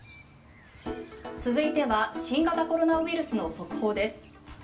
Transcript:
続いては新型コロナウイルスの速報です。